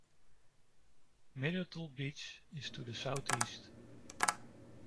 Myrtle Beach is to the southeast.